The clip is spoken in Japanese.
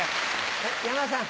山田さん